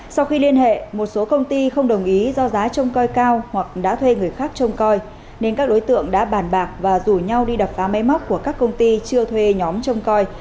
sau khi liên hệ một số công ty không đồng ý do giá trông coi cao hoặc đã thuê người khác trông coi nên các đối tượng đã bàn bạc và rủ nhau đi đập phá máy móc của các công ty chưa thuê nhóm trông coi